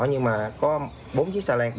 nhưng mà có bốn chiếc xà lan